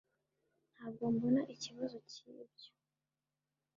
ntabwo mbona ikibazo cyibyo